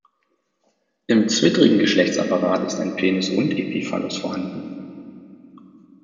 Im zwittrigen Geschlechtsapparat ist ein Penis und Epiphallus vorhanden.